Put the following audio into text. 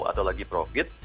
atau lagi profit